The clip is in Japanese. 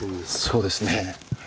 そうですね。